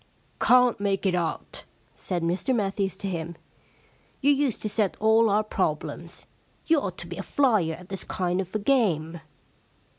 * Can't make it out,' said Mr Matthews to him. * You used to set all our problems. You ought to be a flyer at this kind of a game.'